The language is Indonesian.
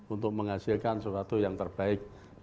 untuk menghasilkan sesuatu yang terbaik